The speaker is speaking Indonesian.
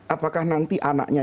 apakah nanti anaknya